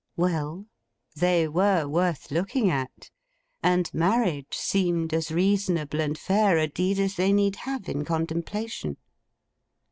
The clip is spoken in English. Well? They were worth looking at. And marriage seemed as reasonable and fair a deed as they need have in contemplation.